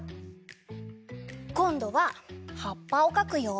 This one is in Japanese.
こんどははっぱをかくよ。